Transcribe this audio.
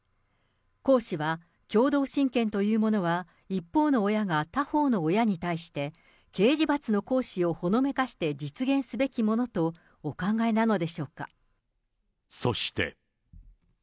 江氏は、共同親権というものは、一方の親が他方の親に対して、刑事罰の行使をほのめかして実現すべきものとお考えなのでしょうそして。